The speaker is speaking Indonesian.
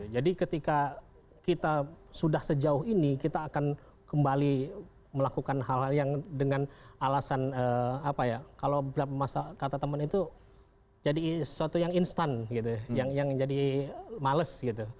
jadi ketika kita sudah sejauh ini kita akan kembali melakukan hal hal yang dengan alasan apa ya kalau kata teman itu jadi sesuatu yang instan gitu ya yang jadi males gitu